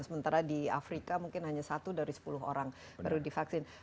sementara di afrika mungkin hanya satu dari sepuluh orang baru divaksin